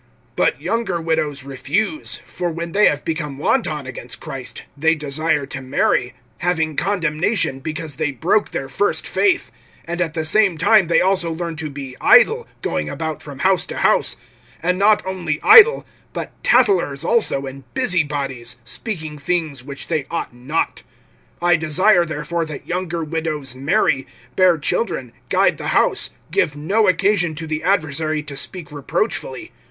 (11)But younger widows refuse; for when they have become wanton against Christ, they desire to marry; (12)having condemnation, because they broke their first faith. (13)And at the same time they also learn to be idle, going about from house to house; and not only idle, but tattlers also and busy bodies, speaking things which they ought not. (14)I desire therefore that younger widows marry, bear children, guide the house, give no occasion to the adversary to speak reproachfully.